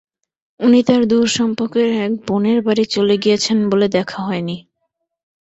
উনি তাঁর দূর সম্পর্কের এক বোনের বাড়ি চলে গিয়েছেন বলে দেখা হয় নি।